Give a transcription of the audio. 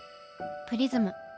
「プリズム」。